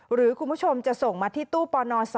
หรือคุณผู้ชมจะส่งมาที่ตู้ปน๒